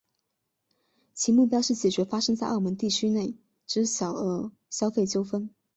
其目标是解决发生在澳门地区内之小额消费纠纷。